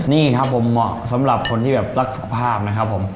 นี่ครับผมเหมาะสำหรับคนที่แบบรักสุขภาพนะครับผม